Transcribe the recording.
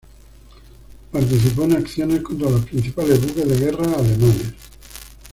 Participó en acciones contra los principales buques de guerra alemanes.